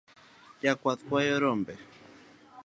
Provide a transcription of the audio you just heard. Jakwath kwayo rombe